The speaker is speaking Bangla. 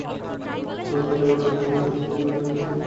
তবে ত্বকের আর্দ্রতা আমার জন্য খুবই গুরুত্বপূর্ণ, কারণ আমার ত্বক শুষ্ক।